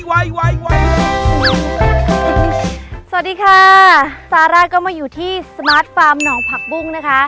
สวัสดีค่ะซาร่าก็มาอยู่ที่สมาร์ทฟาร์มหนองผักบุ้งนะคะ